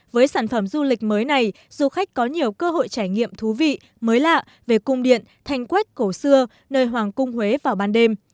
với sản phẩm du lịch mới này du khách có nhiều cơ hội trải nghiệm thú vị mới lạ về cung điện thanh quét cổ xưa nơi hoàng cung huế vào ban đêm